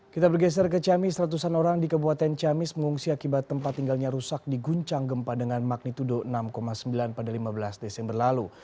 kita bergeser ke ciamis ratusan orang di kabupaten ciamis mengungsi akibat tempat tinggalnya rusak diguncang gempa dengan magnitudo enam sembilan pada lima belas desember lalu